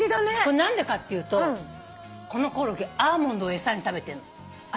何でかっていうとこのコオロギアーモンドを餌に食べてんの。